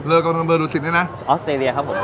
เริกกระดองเบอร์ดูสิทธิ์ด้วยนะออสเตรียครับผม